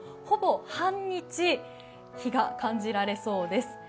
ほぼ半日、日が感じられそうです。